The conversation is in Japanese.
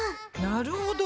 なるほど。